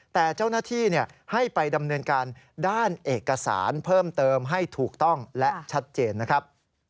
แต่เจ้าหน้าที่ให้ไปดำเนินการด้านเอกสารเพิ่มเติมให้ถูกต้องและชัดเจนนะครับ